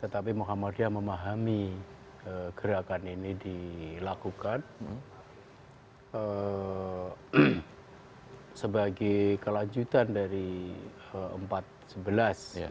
tetapi muhammadiyah memahami gerakan ini dilakukan sebagai kelanjutan dari empat sebelas